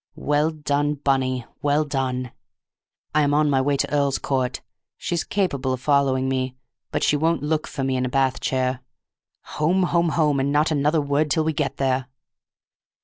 "Well done, Bunny—well done! I am on my way to Earl's Court, she's capable of following me, but she won't look for me in a bath chair. Home, home, home, and not another word till we get there!"